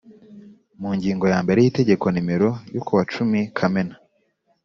mu ngingo ya mbere y Itegeko nimero ryo kuwa cumi kamena